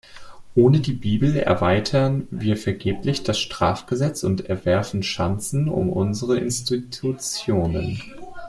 Ohne die Bibel erweitern wir vergeblich das Strafgesetz und entwerfen Schanzen um unsere Institutionen.